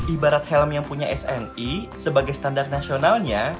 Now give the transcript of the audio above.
ibarat helm yang punya sni sebagai standar nasionalnya